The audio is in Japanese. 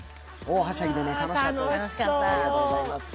大はしゃぎで楽しかったです。